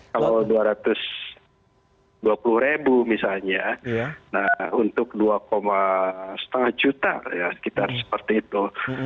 kalau dua ratus dua puluh ribu misalnya untuk dua lima juta ya sekitar seperti itu